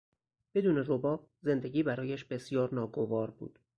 بدون رباب، زندگی برایش بسیار ناگوار بود.